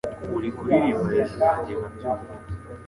Uri kuririmbira hejuru yanjye nkabyumva